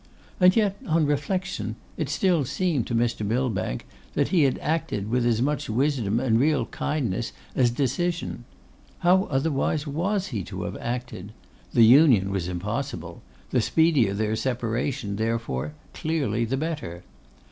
And yet, on reflection, it still seemed to Mr. Millbank that he had acted with as much wisdom and real kindness as decision. How otherwise was he to have acted? The union was impossible; the speedier their separation, therefore, clearly the better.